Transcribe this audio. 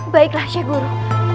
baiklah syekh guru